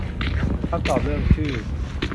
คำตอบเรื่องชื่อ